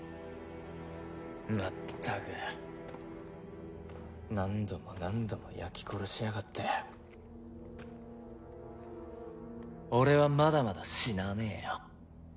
まったく何度も何度も焼き殺しやがって俺はまだまだ死なねえよ